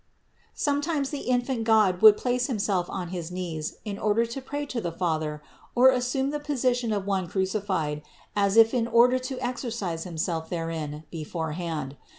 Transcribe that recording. Sometimes the infant God would place Himself on his knees in order to pray to the Father or assume the position of one cru cified, as if in order to exercise Himself therein before hand.